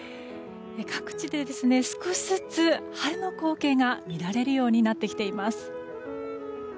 各地で少しずつ春の光景が見られるようになってきています。